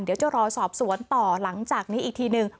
เดี๋ยวจะรอสอบสวนต่อหลังจากนี้อีกทีนึง